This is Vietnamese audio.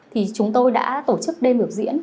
thì chúng tôi đã tổ chức đêm biểu diễn